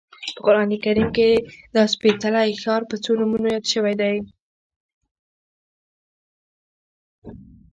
په قران کریم کې دا سپېڅلی ښار په څو نومونو یاد شوی دی.